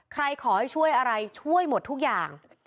ขอให้ช่วยอะไรช่วยหมดทุกอย่าง